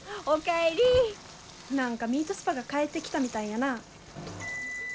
何かミートスパが帰ってきたみたいやな。